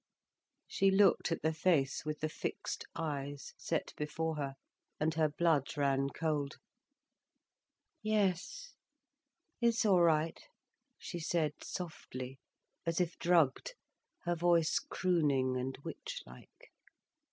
She looked at the face with the fixed eyes, set before her, and her blood ran cold. "Yes, it's all right," she said softly, as if drugged, her voice crooning and witch like.